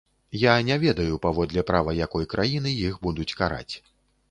Я не ведаю, паводле права якой краіны іх будуць караць.